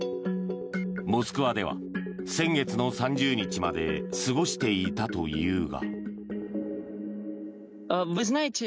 モスクワでは先月の３０日まで過ごしていたというが。